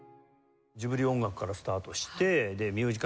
ジブリ音楽からスタートしてでミュージカル映画でしょ。